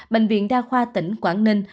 bệnh viện đa khoa tỉnh quảng ninh